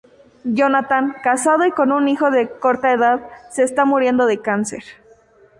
Jonathan, casado y con un hijo de corta edad, se está muriendo de cáncer.